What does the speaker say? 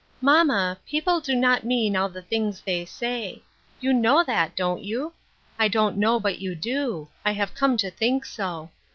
" Mamma, people do not mean all the things they say. You know that, don't you ? I don't know but you do ; I have come to think so.